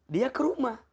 dia ke rumah